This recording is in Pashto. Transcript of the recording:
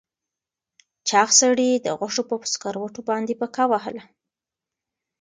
چاغ سړي د غوښو په سکروټو باندې پکه وهله.